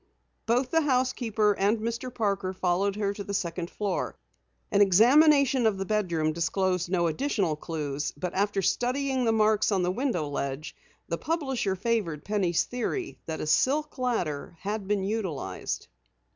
Both the housekeeper and Mr. Parker followed her to the second floor. An examination of the bedroom disclosed no additional clues, but after studying the marks on the window ledge, the publisher favored Penny's theory that a silk ladder had been utilized.